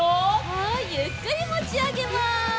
はいゆっくりもちあげます。